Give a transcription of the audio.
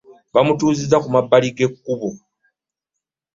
Bamutuuza ku mabbali ge kubbo.